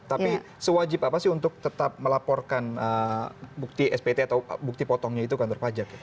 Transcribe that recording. tapi sewajib apa sih untuk tetap melaporkan bukti spt atau bukti potongnya itu kantor pajak ya